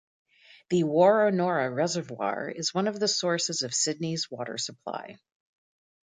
The Woronora Reservoir is one of the sources of Sydney's water supply.